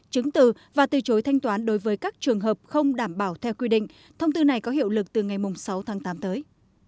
chứng từ và từ chối thanh toán đối với các trường hợp không đảm bảo theo quy định thông tư này có hiệu lực từ ngày sáu tháng tám tới